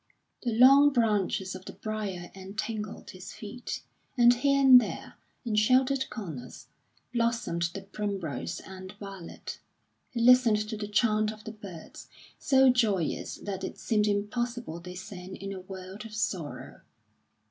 The long branches of the briar entangled his feet; and here and there, in sheltered corners, blossomed the primrose and the violet He listened to the chant of the birds, so joyous that it seemed impossible they sang in a world of sorrow.